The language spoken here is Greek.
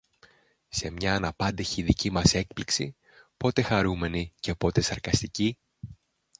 σε μια αναπάντεχη δική μας έκπληξη, πότε χαρούμενη και πότε σαρκαστική,